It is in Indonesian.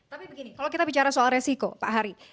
tapi begini kalau kita bicara soal resiko pak hari